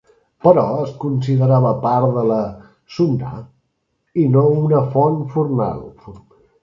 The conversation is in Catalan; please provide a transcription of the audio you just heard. Però es considerava part de la "sunnah", i no una font formal.